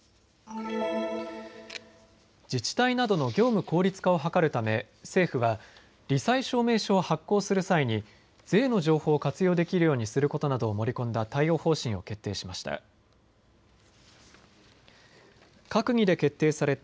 自治体などの業務効率化を図るため政府は、り災証明書を発行する際に税の情報を活用できるようにすることなどを盛り込んだ対応方針を決定しました。